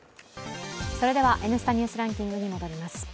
「Ｎスタ・ニュースランキング」に戻ります。